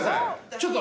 ちょっと！